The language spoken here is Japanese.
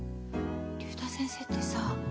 竜太先生ってさ